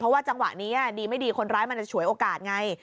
ว่าจังหวะนี้ดีไม่ดีคนร้ายมันจะฉวยโอกาสไง